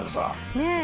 ねえ。